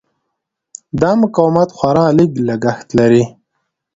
دا مقاومت خورا لږ لګښت لري.